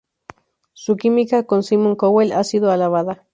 Su química con Simon Cowell ha sido alabada.